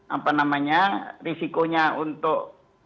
apa namanya risikonya untuk